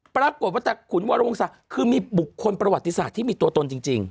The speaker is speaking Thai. ปรากฏว่าแต่ขุนวรวงศักดิ์คือมีบุคคลประวัติศาสตร์ที่มีตัวตนจริง